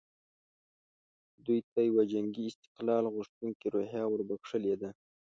دوی ته یوه جنګي استقلال غوښتونکې روحیه وربخښلې ده.